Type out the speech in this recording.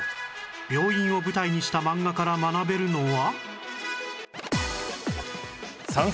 病院を舞台にした漫画から学べるのは